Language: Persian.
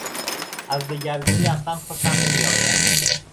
از دگرگونی اصلا خوشم نمیآید.